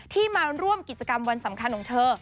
ที่มาร่วมกิจกรรมวันสำคัญของเธอ